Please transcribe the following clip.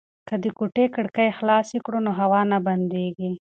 که د کوټې کړکۍ خلاصې کړو نو هوا نه بندیږي.